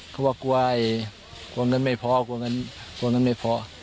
เขากลัวเงินไม่พอ